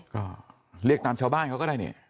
ก็เรียกตามชาวบ้านเขาก็ได้เนี่ย